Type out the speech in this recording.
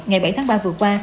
ngày bảy tháng ba vừa qua